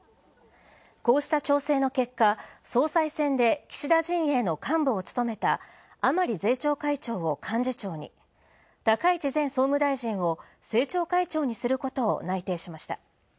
こうした調整の結果、総裁選で岸田陣営の幹部を務めた甘利税調会長を幹事長に起用することが内定しました。